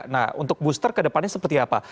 nah untuk booster ke depannya seperti apa